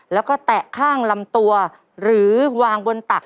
แล้วก็แตะข้างลำตัวหรือวางบนตัก